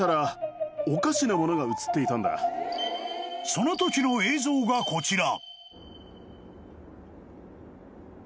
［そのときの映像がこちら］